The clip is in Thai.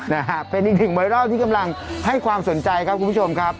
นะฮะเป็นอีกหนึ่งไวรัลที่กำลังให้ความสนใจครับคุณผู้ชมครับ